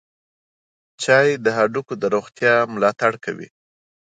چای د هډوکو روغتیا ملاتړ کوي.